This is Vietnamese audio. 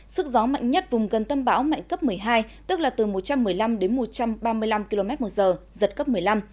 sức gió mạnh nhất vùng gần tâm bão mạnh cấp một mươi hai tức là từ một trăm một mươi năm đến một trăm ba mươi năm km một giờ giật cấp một mươi năm